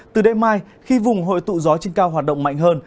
từ đêm mai khi vùng hội tụ gió trên cao hoạt động mạnh hơn